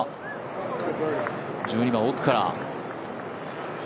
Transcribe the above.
１２番奥から。